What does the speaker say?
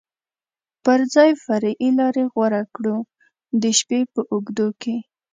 پر ځای فرعي لارې غوره کړو، د شپې په اوږدو کې.